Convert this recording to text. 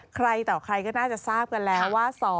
ใครต่อใครก็น่าจะทราบกันแล้วว่า